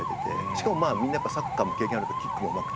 しかもみんなサッカーも経験あるからキックもうまくて。